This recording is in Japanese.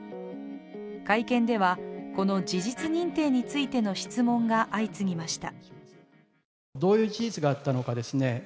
会見では、この事実認定についての質問が相次ぎました。